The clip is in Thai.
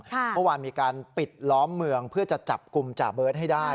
เมื่อวานมีการปิดล้อมเมืองเพื่อจะจับกลุ่มจ่าเบิร์ตให้ได้